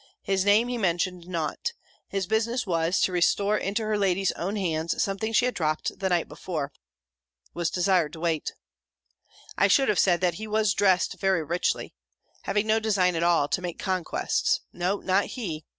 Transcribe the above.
His name he mentioned not. His business was, to restore into her lady's own hands, something she had dropt the night before. Was desired to wait. I should have said, that he was dressed very richly having no design at all to make conquests; no, not he!